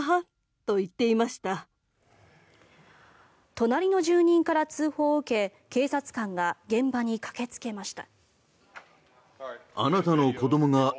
隣の住人から通報を受け警察官が現場に駆けつけました。